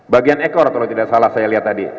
bagian ekor kalau tidak salah saya lihat tadi